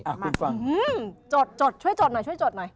อ่าอุ้มมจดจดช่วยจดหน่อย